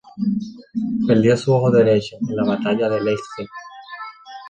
Perdió su ojo derecho en la batalla de Leipzig.